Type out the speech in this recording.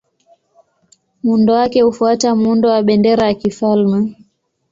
Muundo wake hufuata muundo wa bendera ya kifalme.